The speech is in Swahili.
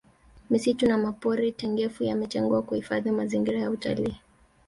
misitu na mapori tengefu yametengwa kuhifadhi mazingira ya utalii